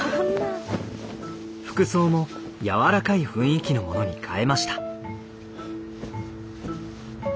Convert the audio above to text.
服装も柔らかい雰囲気のものに変えました。